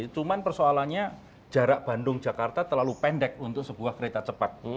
cuman persoalannya jarak bandung jakarta terlalu pendek untuk sebuah kereta cepat